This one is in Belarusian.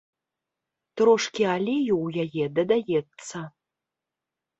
Трошкі алею ў яе дадаецца.